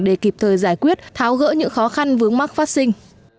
để kịp thời giải quyết tháo gỡ những khó khăn vướng mắc phát sinh